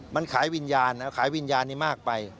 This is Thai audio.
มันขายวิญญาณขายวิญญาณนี้มากไป